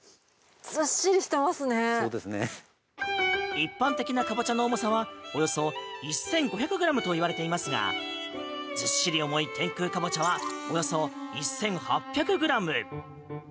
一般的なカボチャの重さはおよそ１５００ｇといわれていますがずっしり重い天空かぼちゃはおよそ１８００ｇ。